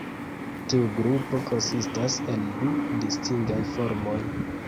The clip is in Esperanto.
Tiu grupo konsistas el du distingaj formoj.